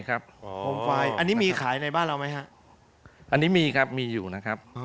อันนี้มีครับครับมีอยู่นะครับ